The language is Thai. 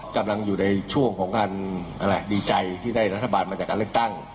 กำลังอยู่ในช่วงของการดีใจที่ได้รัฐบาลมาจากการเลือกตั้ง